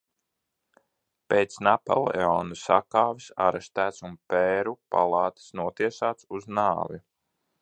Pēc Napoleona sakāves arestēts un pēru palātas notiesāts uz nāvi.